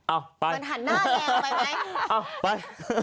อ้าวไปมันหันหน้าแยงไปไหมอ้าวไป